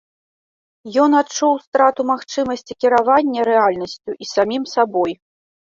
Ён адчуў страту магчымасці кіравання рэальнасцю і самім сабой.